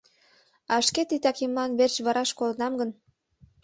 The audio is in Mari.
А шке титакемлан верч вараш кодынам гын?